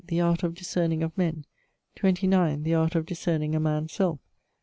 The Art of Discerning of Men. 29. The Art of Discerning a Man's selfe.